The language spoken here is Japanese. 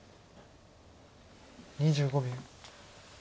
２５秒。